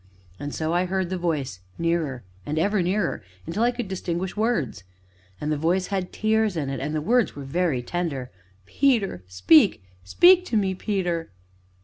And so I heard the voice nearer, and ever nearer, until I could distinguish words, and the voice had tears in it, and the words were very tender. "Peter speak! speak to me, Peter!"